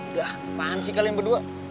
udah pan sih kalian berdua